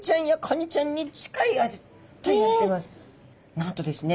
なんとですね